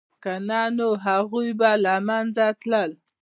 که نه نو هغوی به له منځه تلل